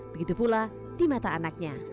begitu pula di mata anaknya